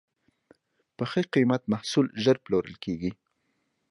په ښه قیمت محصول ژر پلورل کېږي.